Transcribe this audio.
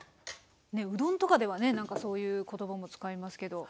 うどんとかではね何かそういう言葉も使いますけど。